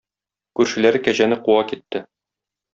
Күршеләре кәҗәне куа китте.